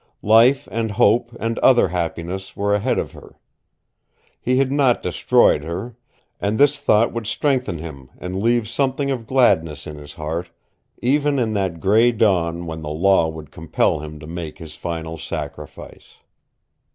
Life and hope and other happiness were ahead of her. He had not destroyed her, and this thought would strengthen him and leave something of gladness in his heart, even in that gray dawn when the law would compel him to make his final sacrifice.